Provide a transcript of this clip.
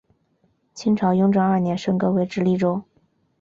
清朝雍正二年升格为直隶州。